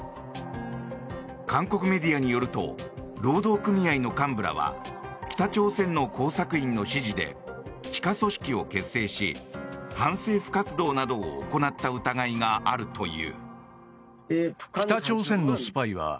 韓国メディアによると労働組合の幹部らは北朝鮮の工作員の指示で地下組織を結成し反政府活動などを行った疑いがあるという。